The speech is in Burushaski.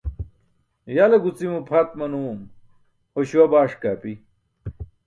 Ya le gucimo phat manum, ho śuwa baaṣ ke api.